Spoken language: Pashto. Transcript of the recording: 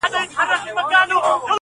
تر اوسه مو په لیکلې بڼه